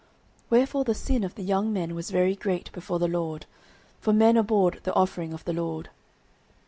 09:002:017 Wherefore the sin of the young men was very great before the LORD: for men abhorred the offering of the LORD.